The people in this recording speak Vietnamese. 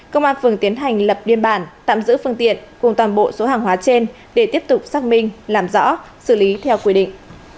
công an phường tiến hành lập biên bản tạm giữ phương tiện cùng toàn bộ số hàng hóa trên để tiếp tục xác minh làm rõ xử lý theo quy định